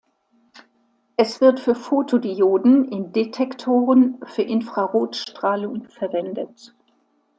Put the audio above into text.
Es wird für Photodioden in Detektoren für Infrarotstrahlung verwendet.